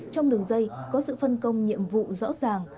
trong đường dây có sự phân công nhiệm vụ rõ ràng